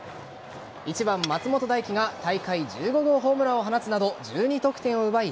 １番・松本大輝が大会１５号ホームランを放つなど１２得点を奪い